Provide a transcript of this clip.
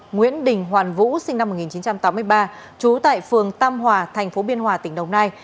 nguyễn đình hoàn vũ sinh năm một nghìn chín trăm tám mươi ba trú tại phường tam hòa thành phố biên hòa tỉnh đồng nai